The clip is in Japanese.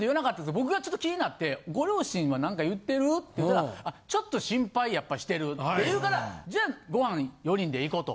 僕がちょっと気になって「ご両親は何か言ってる？」って言ったら「ちょっと心配やっぱしてる」って言うからじゃあご飯４人で行こと。